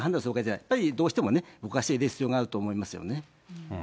やっぱりどうしてもね、ぼかし入れる必要あると思いますよね。